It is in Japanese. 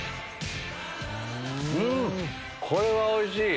これはおいしい。